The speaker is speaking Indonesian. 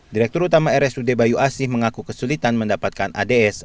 direktur utama rsud bayu asih mengaku kesulitan mendapatkan ads